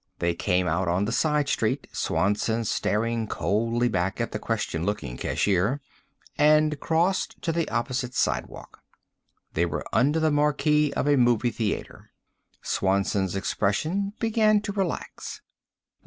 They came out on the side street, Swanson staring coldly back at the question looking cashier, and crossed to the opposite sidewalk. They were under the marquee of a movie theater. Swanson's expression began to relax.